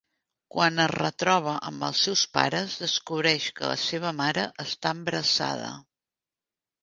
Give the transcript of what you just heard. Quan es retroba amb els seus pares, descobreix que la seva mare està embarassada.